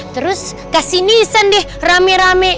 terus kasih nisan deh rame rame